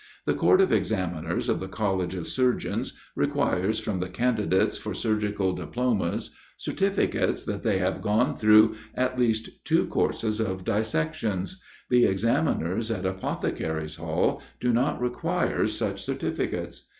The court of examiners of the College of Surgeons, requires from the candidates for surgical diplomas certificates that they have gone through at least two courses of dissections; the examiners at Apothecaries' hall do not require such certificates.